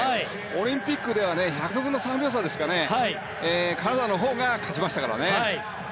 オリンピックでは１００分の３秒差でカナダが勝ちましたからね。